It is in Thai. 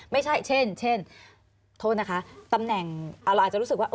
ไม่ใช่เช่นเช่นโทษนะคะตำแหน่งเราอาจจะรู้สึกว่า